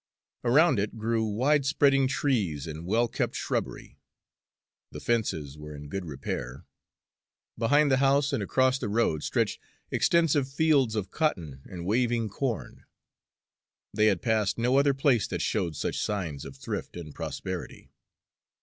Around it grew widespreading trees and well kept shrubbery. The fences were in good repair. Behind the house and across the road stretched extensive fields of cotton and waving corn. They had passed no other place that showed such signs of thrift and prosperity.